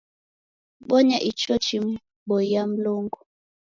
Bonya icho chim'boia Mlungu